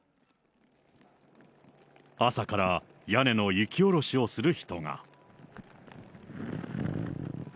朝から屋根の雪下ろしをする人が。